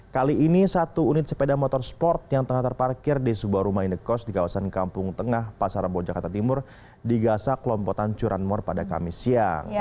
kali ini satu unit sepeda motor sport yang tengah terparkir di sebuah rumah indekos di kawasan kampung tengah pasar rebon jakarta timur digasak lompotan curanmor pada kamis siang